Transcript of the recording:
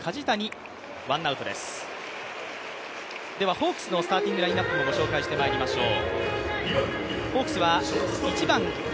ホークスのスターティングラインナップをご紹介してまいりましょう。